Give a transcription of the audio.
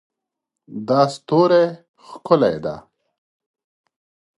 دا ستوری ښکلی ده